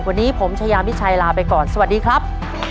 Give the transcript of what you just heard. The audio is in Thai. วันนี้ผมชายามิชัยลาไปก่อนสวัสดีครับ